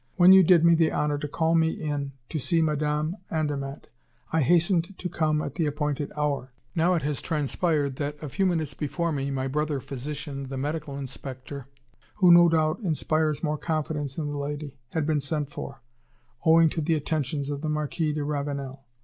When you did me the honor to call me in to see Madame Andermatt, I hastened to come at the appointed hour; now it has transpired that, a few minutes before me, my brother physician, the medical inspector, who, no doubt, inspires more confidence in the lady, had been sent for, owing to the attentions of the Marquis de Ravenel.